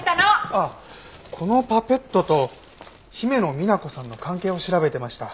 あっこのパペットと姫野美那子さんの関係を調べてました。